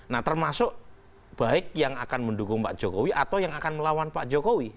nah termasuk baik yang akan mendukung pak jokowi atau yang akan melawan pak jokowi